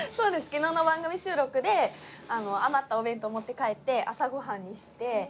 昨日の番組収録で余ったお弁当を持って帰って朝ご飯にして。